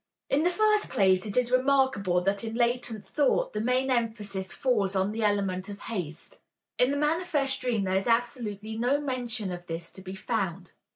In the first place, it is remarkable that in the latent thought the main emphasis falls on the element of haste; in the manifest dream there is absolutely no mention of this to be found.